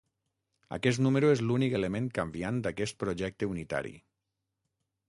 Aquest número és l'únic element canviant d'aquest projecte unitari.